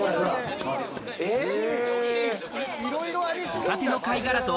ホタテの貝殻が。